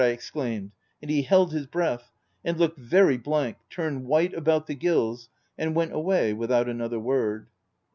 I exclaimed, and he held his breath, and looked very blank, turned white about the gills, and went away without another word.